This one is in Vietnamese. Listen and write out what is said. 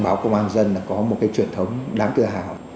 báo công an nhân dân có một truyền thống đáng tự hào